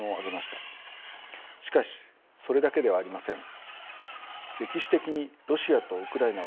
しかしそれだけではありません。